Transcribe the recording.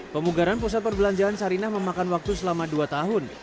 pemugaran pusat perbelanjaan sarinah memakan waktu selama dua tahun